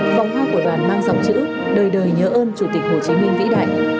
vòng hoa của đoàn mang dòng chữ đời đời nhớ ơn chủ tịch hồ chí minh vĩ đại